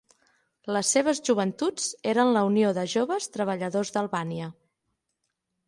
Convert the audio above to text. Les seves joventuts eren la Unió de Joves Treballadors d'Albània.